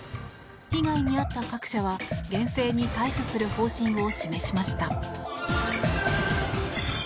被害に遭った各社は厳正に対処する方針を示しました。